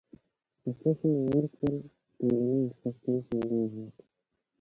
اېک ݜُو شاناں ورچوئل تعلیماں سسٹم سندؤں ہو تُھو